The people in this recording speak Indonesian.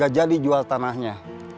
gak jadi jual tanahnya